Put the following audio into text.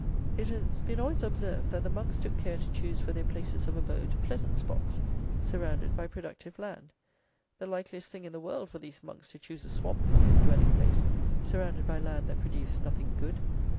It has been always observed, that the monks took care to choose for their places of abode, pleasant spots, surrounded by productive land. The likeliest thing in the world for these monks to choose a swamp for their dwelling place, surrounded by land that produced nothing good!